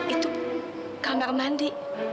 itu kang al mandi